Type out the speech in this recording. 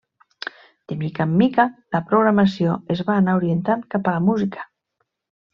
De mica en mica, la programació es va anar orientat cap a la música.